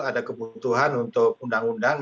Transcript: ada kebutuhan untuk undang undang